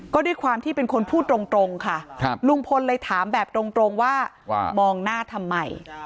ก็ด้วยความที่เป็นคนพูดตรงค่ะลุงพลเลยถามแบบตรงว่าว่ามองหน้าทำไม